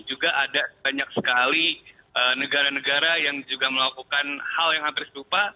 juga ada banyak sekali negara negara yang juga melakukan hal yang hampir serupa